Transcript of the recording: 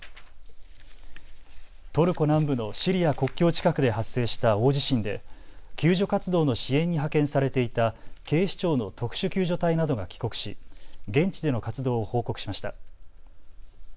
トルコ南部のシリア国境近くで発生した大地震で救助活動の支援に派遣されていた警視庁の特殊救助隊などが帰国し現地での活動を報告しました。